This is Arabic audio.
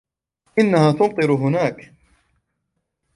إنها تمطر هناك.